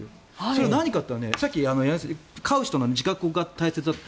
それは何かというとさっき柳澤さん飼う人の自覚が大切だと。